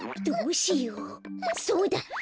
どうしようそうだ！